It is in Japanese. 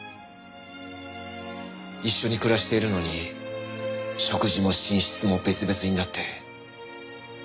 一緒に暮らしているのに食事も寝室も別々になって。